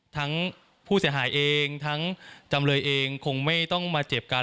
ทั้งผู้เสียหายเองทั้งจำเลยเองคงไม่ต้องมาเจ็บกัน